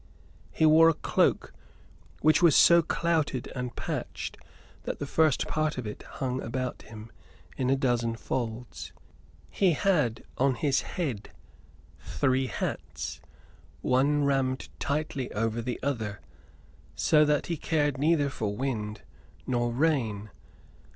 He wore a cloak which was so clouted and patched that the first part of it hung about him in a dozen folds. He had on his head three hats, one rammed tightly over the other, so that he cared neither for wind nor rain.